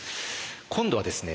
今度はですね